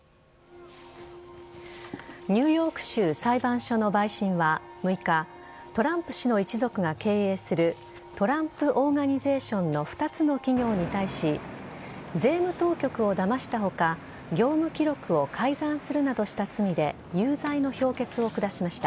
ニューヨーク州裁判所の陪審は６日トランプ氏の一族が経営するトランプ・オーガニゼーションの２つの企業に対し税務当局をだました他業務記録を改ざんするなどした罪で有罪の評決を下しました。